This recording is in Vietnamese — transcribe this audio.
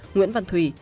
nguyễn văn thùy